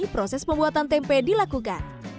proses pembuatan tempe dilakukan